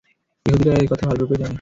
ইহুদীরা একথা ভালরূপেই জানে।